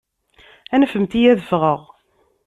Anfemt-iyi ad ffɣeɣ!